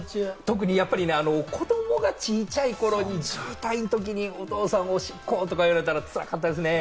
特にね、子供が小ちゃい頃に渋滞のときにお父さん、おしっこ！とか言われたらつらかったですね。